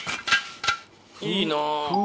いいなぁ。